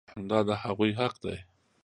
دا د هغوی حق دی.